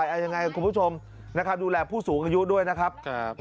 ใกล้ชิดต่อไปยังไงคุณผู้ชมดูแลผู้สูงอายุด้วยนะครับ